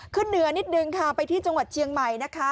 ขึ้นเหนือนิดนึงค่ะไปที่จังหวัดเชียงใหม่นะคะ